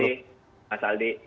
terima kasih mas aldi